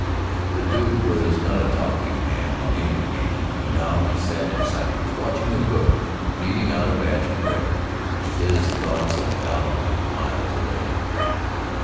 The Duke was not a talkative man on any occasion, and now he sat in silence watching the cook kneading out a batch of bread, his thoughts a thousand miles away.